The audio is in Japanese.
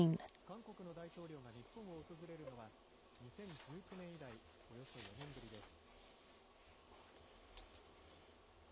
韓国の大統領が日本を訪れるのは、２０１９年以来、およそ４年ぶりです。